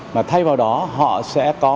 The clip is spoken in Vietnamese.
mà thay vào đó họ sẽ có